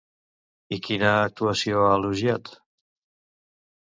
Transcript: I quina actuació ha elogiat?